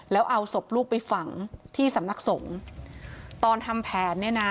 แล้วเอาศพลูกไปฝังที่สำนักสงฆ์ตอนทำแผนเนี่ยนะ